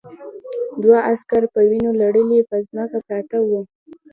دوه عسکر په وینو لړلي پر ځمکه پراته وو